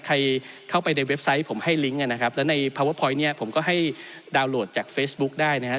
ใครเข้าไปในเว็บไซต์ผมให้ลิงก์นะครับแล้วในพาเวอร์พอยต์เนี่ยผมก็ให้ดาวน์โหลดจากเฟซบุ๊กได้นะฮะ